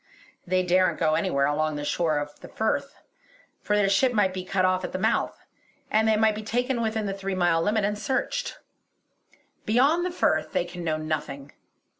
They daren't go anywhere along the shore of the Firth, for their ship might be cut off at the mouth, and they might be taken within the three mile limit and searched. Beyond the Firth they can know nothing.